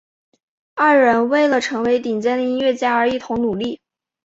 二人为了成为顶尖的音乐家而一同努力。